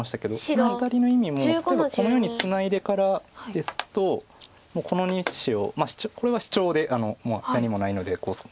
このアタリの意味も例えばこのようにツナいでからですともうこの２子をこれはシチョウで何もないのでこのままシチョウなんです。